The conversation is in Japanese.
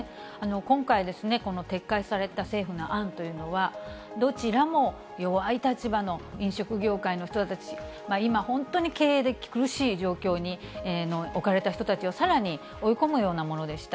今回、この撤回された政府の案というのは、どちらも弱い立場の飲食業界の人たち、今本当に経営で苦しい状況に置かれた人たちをさらに追い込むようなものでした。